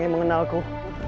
love dan penik porkat